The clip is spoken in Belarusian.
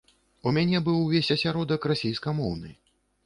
У мяне быў увесь асяродак расейскамоўны.